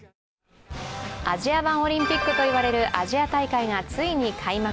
アジア版オリンピックといわれるアジア大会がついに開幕。